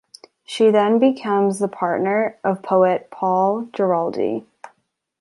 She then becomes the partner of poet Paul Géraldy.